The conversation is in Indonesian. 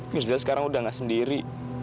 mirza sekarang udah gak sendiri